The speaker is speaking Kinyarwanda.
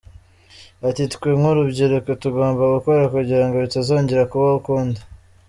Ati “Twe nk’urubyiruko tugomba gukora kugirango bitazongera kubaho ukundi.